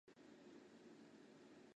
南北三百余里。